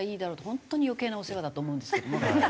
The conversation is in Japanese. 本当に余計なお世話だと思うんですけども。